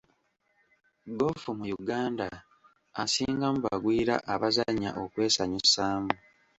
Ggoofu mu Uganda asingamu bagwira abazannya okwesanyusaamu.